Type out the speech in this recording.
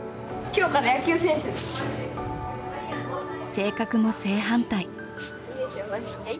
性格も正反対。